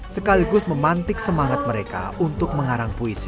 sekaligus memantik semangat mereka untuk mengarang puisi